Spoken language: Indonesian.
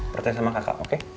pertanyaan sama kakak oke